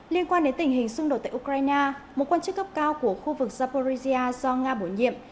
liên quan đến tình hình xung đột tại ukraine một quan chức cấp cao của khu vực zaporizia do nga bổ nhiệm